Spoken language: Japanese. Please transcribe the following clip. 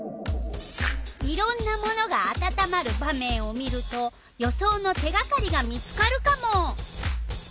いろんなものがあたたまる場面を見ると予想の手がかりが見つかるカモ！